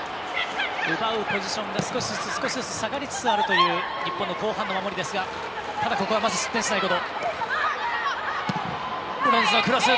奪うポジションが少しずつ下がりつつある日本の後半の守りですがここは失点しないこと。